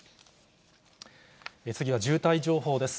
次は渋滞情報です。